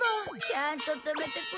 ちゃんと止めてくれなくちゃ。